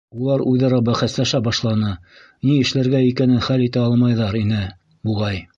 Улар үҙ-ара бәхәсләшә башланы, ни эшләргә икәнен хәл итә алмайҙар ине, буғай.